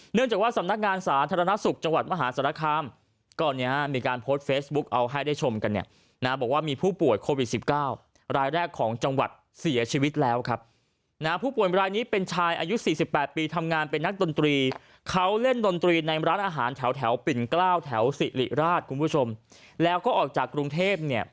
จากว่าสำนักงานสาธารณสุขจังหวัดมหาสารคามก็เนี่ยมีการโพสต์เฟซบุ๊คเอาให้ได้ชมกันเนี่ยนะบอกว่ามีผู้ป่วยโควิด๑๙รายแรกของจังหวัดเสียชีวิตแล้วครับนะผู้ป่วยรายนี้เป็นชายอายุ๔๘ปีทำงานเป็นนักดนตรีเขาเล่นดนตรีในร้านอาหารแถวปิ่นเกล้าแถวสิริราชคุณผู้ชมแล้วก็ออกจากกรุงเทพเนี่ย